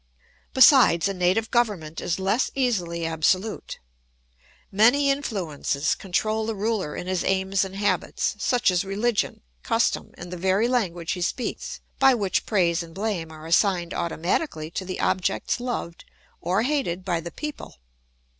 Besides, a native government is less easily absolute. Many influences control the ruler in his aims and habits, such as religion, custom, and the very language he speaks, by which praise and blame are assigned automatically to the objects loved or hated by the people.